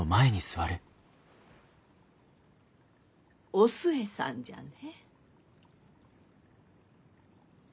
お寿恵さんじゃね。